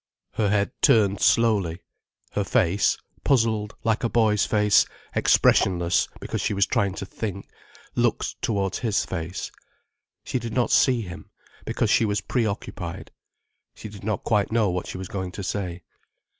Her head turned slowly, her face, puzzled, like a boy's face, expressionless because she was trying to think, looked towards his face. She did not see him, because she was pre occupied. She did not quite know what she was going to say.